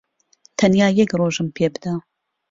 تەنیا یەک ڕۆژم پێ بدە.